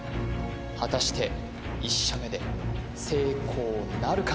果たして１射目で成功なるか？